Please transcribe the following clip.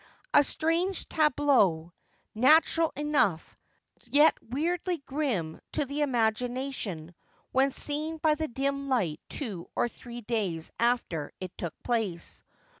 A strange tableau : natural enough, yet weirdly grim to the imagination when seen by the dim light two or three days after it took place.